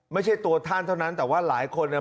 ไม่ใช่ตัวท่านเท่านั้นแต่ว่าหลายคนเนี่ย